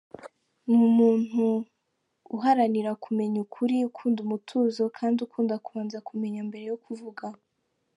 Ni umuntu uharanira kumenya ukuri, ukunda umutuzo kandi ukunda kubanza kumenya mbere yo kuvuga.